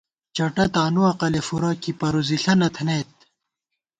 چٹہ تانُو عقَلے فُورہ ، کی پروزِݪہ نہ تھنَئیت